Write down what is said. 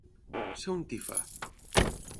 Ser un tifa.